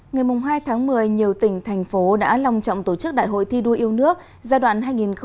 ngày hai tháng một mươi nhiều tỉnh thành phố đã lòng trọng tổ chức đại hội thi đua yêu nước giai đoạn hai nghìn hai mươi hai nghìn hai mươi năm